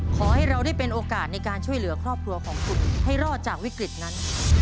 ขอให้เราได้เป็นโอกาสในการช่วยเหลือครอบครัวของคุณให้รอดจากวิกฤตนั้น